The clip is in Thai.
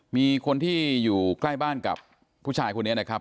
มีคนที่อยู่ใกล้บ้านกับผู้ชายคนนี้นะครับ